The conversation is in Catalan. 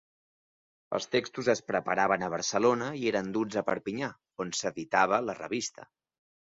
Els textos es preparaven a Barcelona i eren duts a Perpinyà, on s'editava la revista.